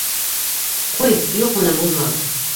Ҡуй, юҡ менән булмағыҙ!